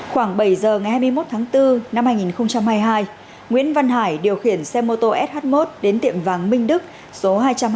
khoảng bảy giờ ngày hai mươi một tháng bốn năm hai nghìn hai mươi hai nguyễn văn hải điều khiển xe mô tô sh một đến tiệm vàng minh đức số hai trăm hai mươi